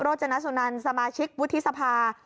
จนสุนันสมาชิกวุฒิสภา